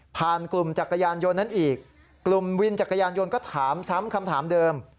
กลุ่มจักรยานยนต์นั้นอีกกลุ่มวินจักรยานยนต์ก็ถามซ้ำคำถามเดิม